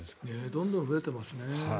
どんどん増えてますね。